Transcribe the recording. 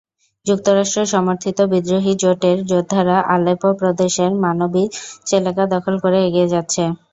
যুক্তরাষ্ট্র-সমর্থিত বিদ্রোহী জোটের যোদ্ধারা আলেপ্পো প্রদেশের মানবিজ এলাকা দখল করে এগিয়ে যাচ্ছে।